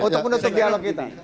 untuk menutup dialog kita